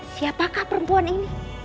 siapakah perempuan ini